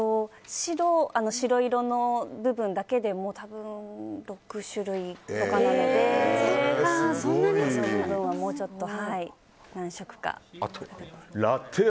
白色の部分だけでも多分、６種類とかなので色の部分はもうちょっと何色か。